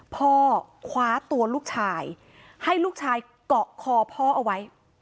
พ่อคว้าตัวลูกชายให้ลูกชายเกาะคอพ่อเอาไว้